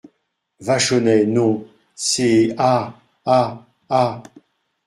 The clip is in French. Vachonnet Non ! ses a … a … a …